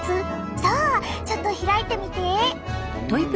そうちょっと開いてみて。